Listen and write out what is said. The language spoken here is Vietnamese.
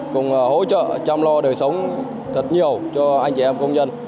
cùng hỗ trợ chăm lo đời sống thật nhiều cho anh chị em công nhân